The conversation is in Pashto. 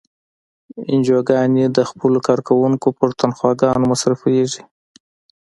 انجوګانې د خپلو کارکوونکو پر تنخواګانو مصرفیږي.